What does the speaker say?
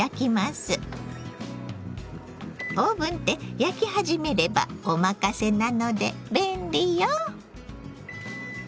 オーブンって焼き始めればお任せなので便利よ。